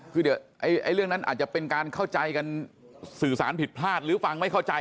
คือเดี๋ยวเรื่องนั้นอาจจะเป็นการเข้าใจกันสื่อสารผิดพลาดหรือฟังไม่เข้าใจ